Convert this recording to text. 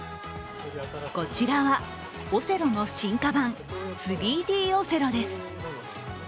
こちらはオセロの進化版、３Ｄオセロです。